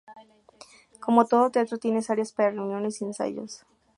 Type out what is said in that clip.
Como todo teatro tiene áreas para reuniones y ensayos.